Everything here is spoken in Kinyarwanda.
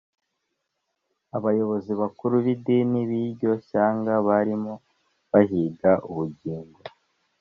Abayobozi bakuru b’idini b’iryo shyanga barimo bahiga ubugingo